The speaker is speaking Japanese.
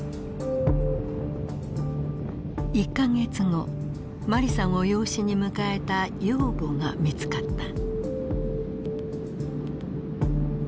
１か月後マリさんを養子に迎えた養母が見つかった。